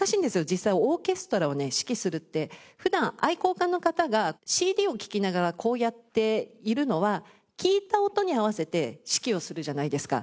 実際オーケストラをね指揮するって普段愛好家の方がＣＤを聴きながらこうやっているのは聴いた音に合わせて指揮をするじゃないですか。